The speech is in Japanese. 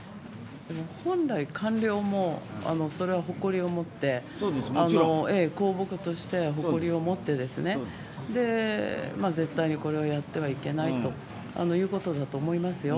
本来、官僚もそれは誇りを持って公僕として誇りを持って絶対にこれはやってはいけないということだと思いますよ。